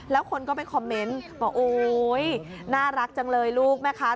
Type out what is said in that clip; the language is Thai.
แล้วคนก็ไปคอมเมนต์บอกโอ๊ยน่ารักจังเลยลูกแม่ค้า